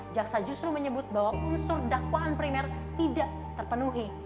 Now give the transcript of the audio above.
jaksa justru menyebut bahwa unsur dakwaan primer tidak terpenuhi